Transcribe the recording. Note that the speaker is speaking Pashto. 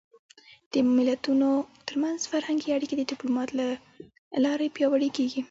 د ملتونو ترمنځ فرهنګي اړیکې د ډيپلومات له لارې پیاوړې کېږي.